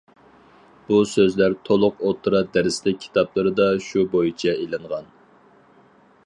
بۇ سۆزلەر تولۇق ئوتتۇرا دەرسلىك كىتابلىرىدا شۇ بويىچە ئىلىنغان.